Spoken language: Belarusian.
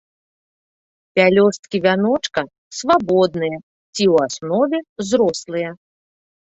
Пялёсткі вяночка свабодныя ці ў аснове зрослыя.